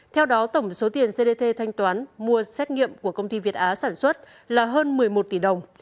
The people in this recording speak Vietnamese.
theo đó tổng số tiền cdc thanh toán mua xét nghiệm của công ty việt á sản xuất là hơn một mươi một tỷ đồng